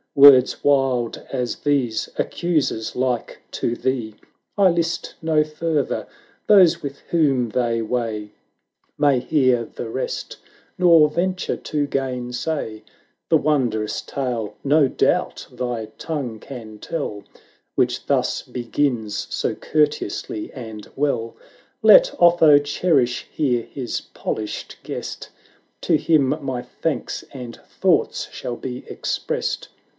Words wild as these, accusers like to thee, I list no further; those with whom they weigh May hear the rest, nor venture to gain say The wondrous tale no doubt thy tongue can tell, Which thus begins so courteously and well. 460 Let Otho cherish here his polished guest, To him my thanks and thoughts shall be expressed."